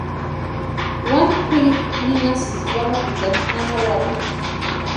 Wani kwʼiripu ninhasïnti wanopitani nana warhini.